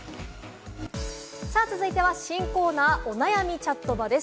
続いては新コーナー、お悩みチャットバです。